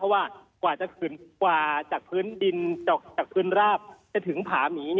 เพราะว่ากว่าจะกว่าจากพื้นดินจากพื้นราบจะถึงผาหมี